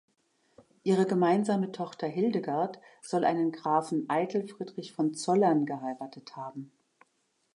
Ihre gemeinsame Tochter Hildegard soll einen Grafen Eitel Friedrich von Zollern geheiratet haben.